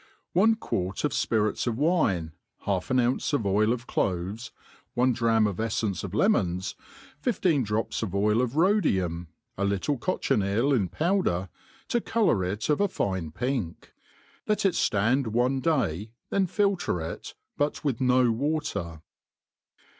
ONE quart of fpirits of wine, half an ounce of oil of cloves, one drachm of eflencc of lemons, fifteen drops of oil of Rhodium, a little cochineal in powder, to colour it of a fine pink ; let. it (land one day, then filter it, but with no water.